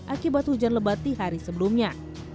akibat hujan lebat di hari sebelumnya